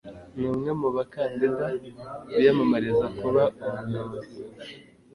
Ni umwe mu bakandida biyamamariza kuba umuyobozi.